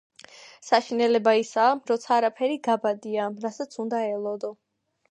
"საშინელება ისაა, როცა არაფერი გაბადია, რასაც უნდა ელოდო.”